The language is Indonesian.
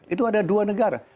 itu ada dua negara